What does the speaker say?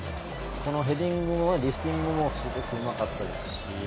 ヘディングもリフティングもすごくうまかったですし